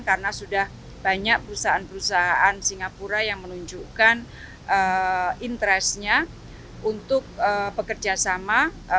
karena sudah banyak perusahaan perusahaan singapura yang menunjukkan interest nya untuk pekerjasama